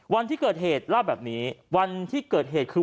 วันที่เกิดเหตุเล่าแบบนี้วันที่เกิดเหตุคือ